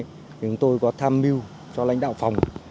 chúng tôi có tham mưu cho lãnh đạo phòng